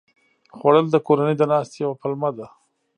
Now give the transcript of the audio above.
خوړل د کورنۍ د ناستې یوه پلمه ده